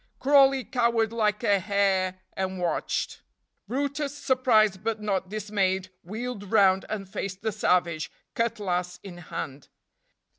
Crawley cowered like a hare and watched. brutus, surprised but not dismayed, wheeled round and faced the savage, cutlass in hand.